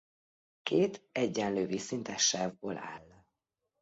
Két egyenlő vízszintes sávból áll.